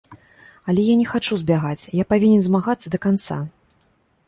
Але я не хачу збягаць, я павінен змагацца да канца.